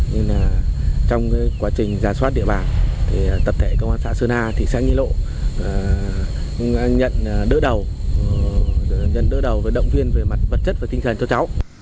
nên là trong quá trình giả soát địa bàn thì tập thể công an xã sơn a thị xã nghi lộ nhận đỡ đầu nhận đỡ đầu và động viên về mặt vật chất và tinh thần cho cháu